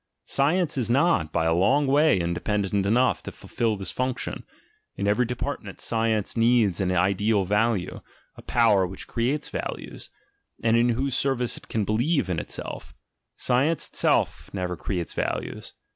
Science is not. by 2 long way, independent enough to fulfil this function ; in every department science needs an ideal value, a power which creates values, and in whose service it can in itself — science itself never creates values.